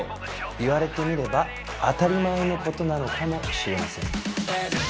言われてみれば当たり前のことなのかもしれません。